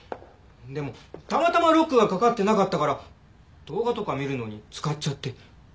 でもたまたまロックがかかってなかったから動画とか見るのに使っちゃって。